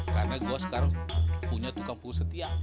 karena gua sekarang punya tukang puas setia